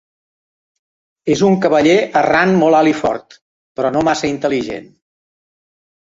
És un cavaller errant molt alt i fort, però no massa intel·ligent.